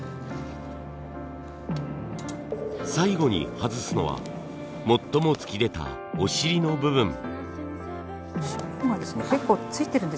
最後に外すのは最も突き出たお尻の部分。